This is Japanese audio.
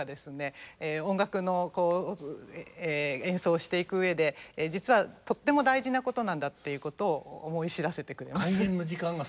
音楽の演奏していく上で実はとっても大事なことなんだっていうことを思い知らせてくれます。